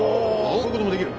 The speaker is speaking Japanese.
こういうこともできる！